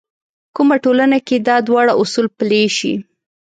کومه ټولنه کې دا دواړه اصول پلي شي.